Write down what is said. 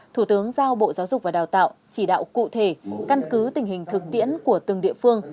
thủ tướng giao bộ giáo dục và đào tạo chỉ đạo cụ thể căn cứ tình hình thực tiễn của từng địa phương